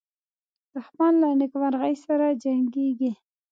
دښمن له نېکمرغۍ سره جنګیږي